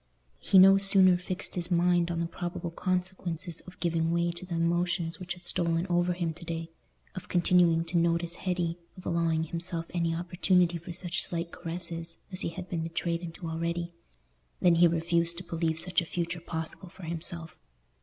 He no sooner fixed his mind on the probable consequences of giving way to the emotions which had stolen over him to day—of continuing to notice Hetty, of allowing himself any opportunity for such slight caresses as he had been betrayed into already—than he refused to believe such a future possible for himself.